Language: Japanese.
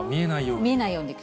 見えないように。